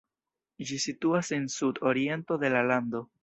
Ĝi situas en sud-oriento de la lando.